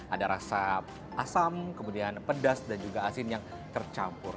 ada rasa asam kemudian pedas dan juga asin yang tercampur